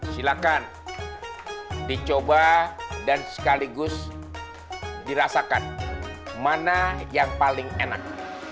silakan dicoba dan sekaligus dirasakan mana yang paling enak